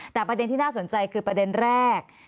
แต่ประเด็นที่น่าสนใจคือประเด็นแรก